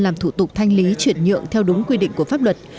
làm thủ tục thanh lý chuyển nhượng theo đúng quy định của pháp luật